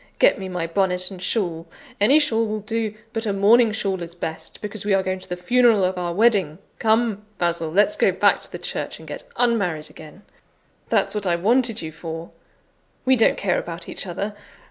Get me my bonnet and shawl; any shawl will do, but a mourning shawl is best, because we are going to the funeral of our wedding. Come, Basil! let's go back to the church, and get unmarried again; that's what I wanted you for. We don't care about each other.